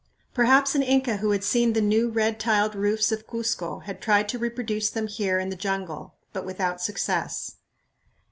Perhaps an Inca who had seen the new red tiled roofs of Cuzco had tried to reproduce them here in the jungle, but without success.